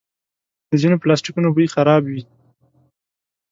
د ځینو پلاسټیکونو بوی خراب وي.